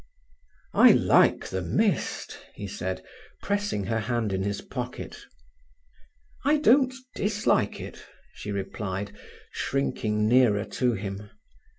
"I like the mist," he said, pressing her hand in his pocket. "I don't dislike it," she replied, shrinking nearer to him.